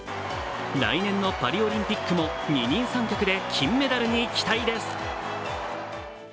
来年のパリオリンピックも二人三脚で金メダルに期待です。